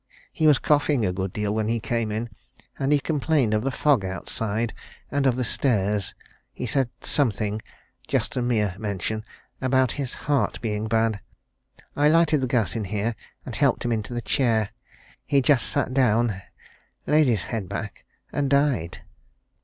He was coughing a good deal when he came in, and he complained of the fog outside, and of the stairs. He said something just a mere mention about his heart being bad. I lighted the gas in here, and helped him into the chair. He just sat down, laid his head back, and died."